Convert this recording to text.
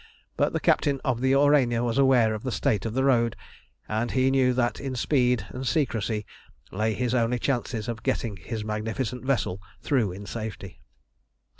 But the captain of the Aurania was aware of the state of the road, and he knew that in speed and secrecy lay his only chances of getting his magnificent vessel through in safety.